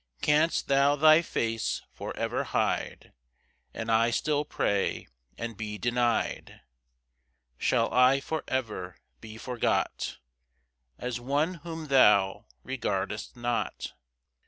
Canst thou thy face for ever hide? And I still pray and be deny'd? 2 Shall I for ever be forgot As one whom thou regardest not?